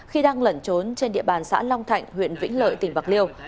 khi đang lẩn trốn trên địa bàn xã long thạnh huyện vĩnh lợi tỉnh bạc liêu